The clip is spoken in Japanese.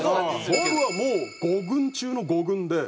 僕はもう５軍中の５軍で。